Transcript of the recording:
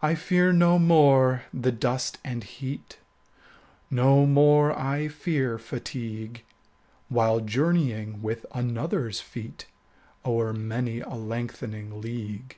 I fear no more the dust and heat, 25 No more I fear fatigue, While journeying with another's feet O'er many a lengthening league.